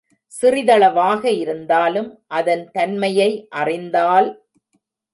சிறிதளவாக இருந்தாலும், அதன் தன்மையை அறிந்தால்